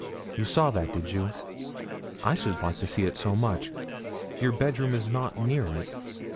you saw that, did you? I should like to see it so much. Your bedroom is not near it?'